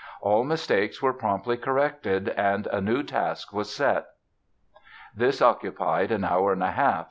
All mistakes were promptly corrected and a new task was then set. This occupied an hour and a half.